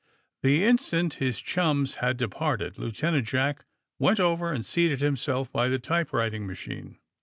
'' The instant his chums had departed Lieuten ant Jack went over and seated himself by the typewriting machine.